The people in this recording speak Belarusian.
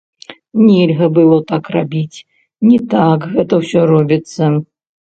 Нельга было так рабіць, не так гэта ўсё робіцца.